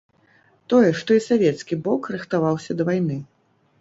Тое, што і савецкі бок рыхтаваўся да вайны.